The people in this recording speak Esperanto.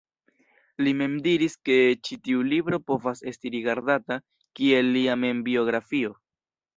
Li mem diris ke ĉi tiu libro povas esti rigardata kiel lia membiografio.